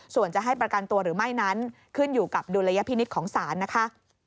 ส่วนจะให้ประกันตัวหรือไม่นั้นขึ้นอยู่กับดุลยพินิษฐ์ของศาลนะคะ